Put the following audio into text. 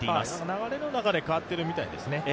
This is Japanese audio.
流れの中で変わっているみたいですね。